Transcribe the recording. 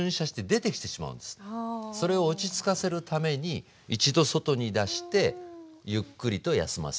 それを落ち着かせるために一度外に出してゆっくりと休ませる。